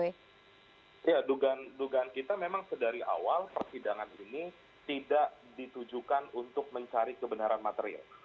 ya dugaan kita memang sedari awal persidangan ini tidak ditujukan untuk mencari kebenaran material